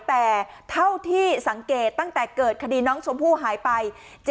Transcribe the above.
แต่เท่าที่สังเกตตั้งแต่เกิดคดีน้องชมพู่หายไป